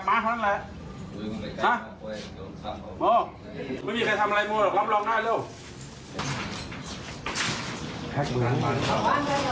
ไม่มีใครทำอะไรมั่วล่ะล้อมลองหน้าเร็ว